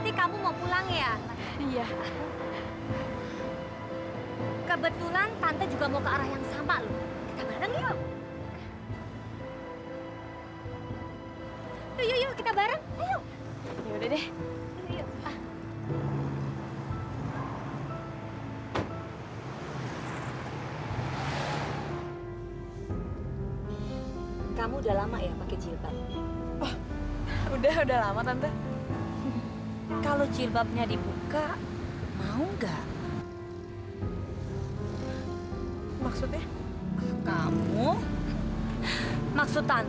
iya kan kerja